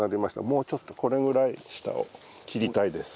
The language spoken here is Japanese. もうちょっとこれぐらい下を切りたいです。